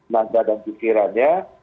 nanda dan pikirannya